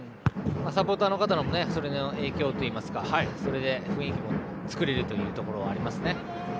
サポーターの方もその影響というか雰囲気も作れるというところはありますね。